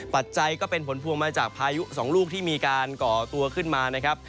ปัจจัยก็เป็นผลพวงมาจากพายุสองลูกที่มีการก่อตัวขึ้นมานะครับ